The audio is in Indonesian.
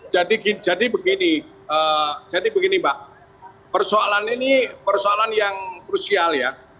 jadi jadi begini jadi begini pak persoalan ini persoalan yang krusial ya